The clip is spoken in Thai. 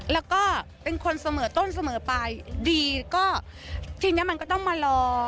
แล้วก็เป็นคนเสมอต้นเสมอไปดีก็ทีนี้มันก็ต้องมารอ